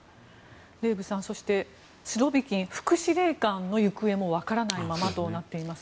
デーブさんスロビキン副司令官の行方も分からないままとなっています。